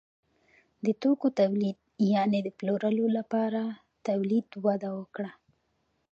د توکو تولید یعنې د پلورلو لپاره تولید وده وکړه.